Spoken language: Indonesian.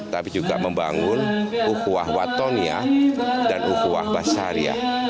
tapi juga membangun uhuah watonia dan uhuah basariah